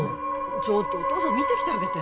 ちょっとお父さん見てきてあげて・